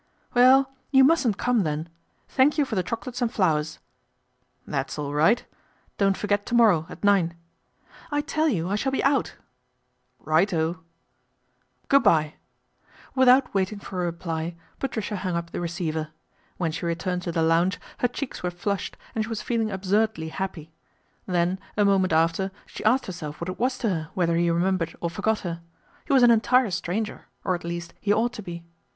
'Well! you mustn't come, then. Thank you for the chocolates and flowers." ' That's all right. Don't forget to morrow at*, nine." " I tell you I shall be out." " Right oh !" MADNESS OF LORD PETER BOWEN 57 1 Good bye !" Without waiting for a reply, Patricia hung up the receiver. When she returned to the lounge her cheeks ;vere flushed, and she was feeling absurdly happy, fhen a moment after she asked herself what it was :o her whether he remembered or forgot her. He an entire stranger or at least he ought to be.